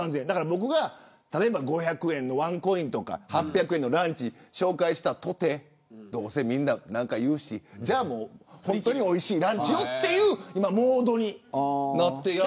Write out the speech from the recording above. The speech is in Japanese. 僕が５００円のワンコインとか８００円のランチ紹介したとて、みんなどうせ何か言うしじゃあ本当においしいランチをというモードになっている。